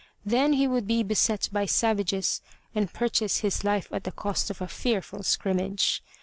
Then he would be beset by savages and purchase his life at the cost of a fearful scrimmage.